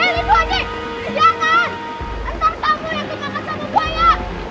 entar kamu yang dikangkat sama gue ya